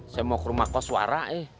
saya mau ke rumah kau suara